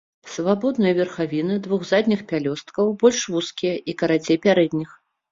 Свабодныя верхавіны двух задніх пялёсткаў больш вузкія і карацей пярэдніх.